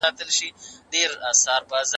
که لمس وي نو جوړښت نه پټیږي.